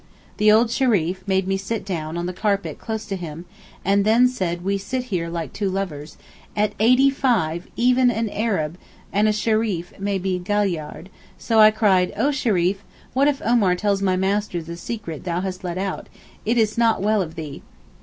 The old Shereef made me sit down on the carpet close to him and then said 'we sit here like two lovers'—at eighty five even an Arab and a Shereef may be "gaillard"—so I cried, 'Oh Shereef, what if Omar tells my master the secret thou hast let out—it is not well of thee.